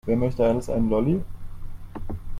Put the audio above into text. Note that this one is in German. Wer möchte alles einen Lolli?